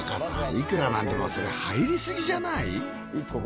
いくらなんでもそれ入りすぎじゃない？